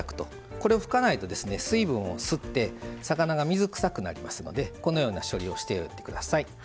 これを拭かないと水分を吸って魚が水くさくなるのでこのような処理をしてください。